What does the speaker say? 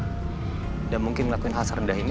udah mungkin ngelakuin hal serendah ini